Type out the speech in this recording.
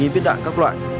bảy viết đạn các loại